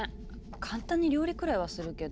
簡単に料理くらいはするけど。